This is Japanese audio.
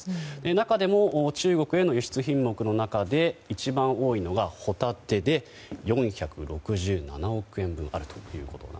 中でも中国への輸出品目の中で一番多いのがホタテで４６７億円分あると。